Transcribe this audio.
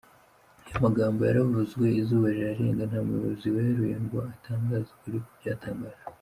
Aya magambo yaravuzwe izuba rirarenga nta muyobozi weruye ngo atangaze ukuri kw’ibyatangajwe.